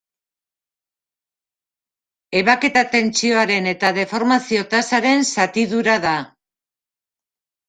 Ebaketa-tentsioaren eta deformazio-tasaren zatidura da.